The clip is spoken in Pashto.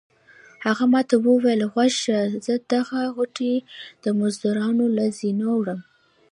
هغه ما ته وویل غوږ شه زه دغه غوټې د مزدورانو له زینو وړم.